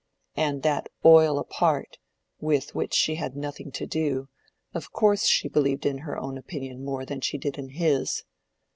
And that oil apart, with which she had nothing to do, of course she believed in her own opinion more than she did in his.